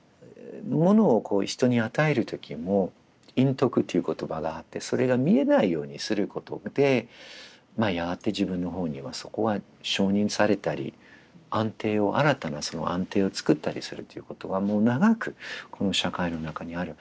ものを人に与える時も「陰徳」っていう言葉があってそれが見えないようにすることでまあやがて自分の方にはそこは承認されたり安定を新たなその安定をつくったりするということはもう長くこの社会の中にある。